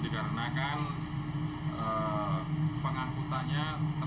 karena kan pengangkutannya terbatas